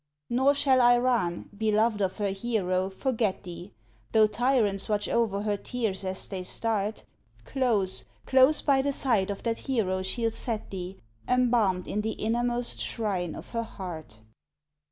Nor shall Iran, beloved of her hero, forget thee Though tyrants watch over her tears as they start, Close, close by the side of that hero she'll set thee, Embalmed in the innermost shrine of her heart.